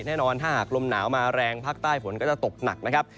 แน่นอนถ้าหากลมหนาวมาแรงภาคใต้ฝนก็จะตกหนักนะครับ